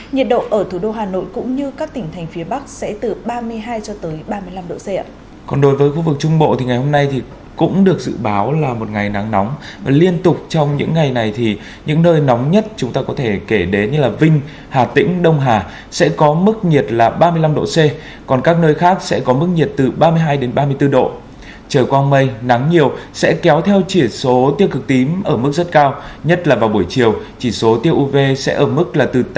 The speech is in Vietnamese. nhiệt độ ở thủ đô hà nội cũng như các tỉnh thành phía bắc sẽ từ ba mươi hai cho tới ba mươi năm độ c